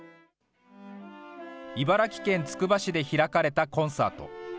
茨城県つくば市で開かれたコンサート。